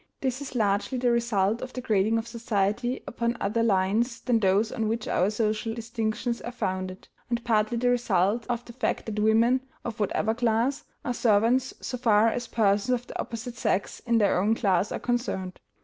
This is largely the result of the grading of society upon other lines than those on which our social distinctions are founded, and partly the result of the fact that women, of whatever class, are servants so far as persons of the opposite sex in their own class are concerned.